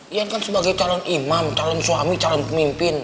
ya kan sebagai calon imam calon suami calon pemimpin